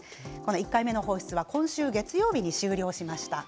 １回目の放出は今週月曜日に終了しました。